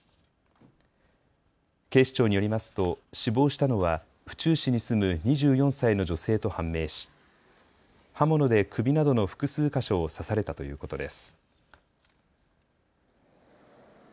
警視庁によりますと死亡したのは府中市に住む２４歳の女性と判明し刃物で首などの複数箇所を刺されたということです。